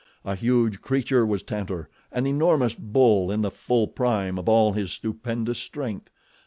A huge creature was Tantor, an enormous bull in the full prime of all his stupendous strength.